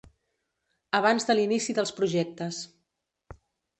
Abans de l'inici dels projectes.